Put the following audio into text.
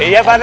iya pak d